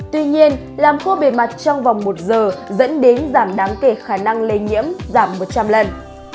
tuy nhiên làm khô bề mặt trong vòng một giờ dẫn đến giảm đáng kể khả năng lây nhiễm giảm một trăm linh lần